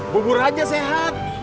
bubur aja sehat